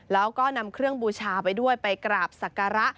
แล้วก็นำเครื่องบูชาไปด้วยไปกราบศักระ